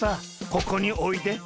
ここにおいで。